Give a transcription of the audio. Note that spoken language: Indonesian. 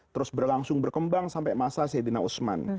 terus berlangsung berkembang sampai masa sayyidina usman